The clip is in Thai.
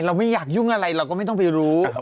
เราไม่อยากยุ่งอะไรเราก็ไม่ต้องไปรู้